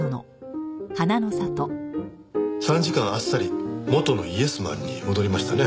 参事官あっさり元のイエスマンに戻りましたね。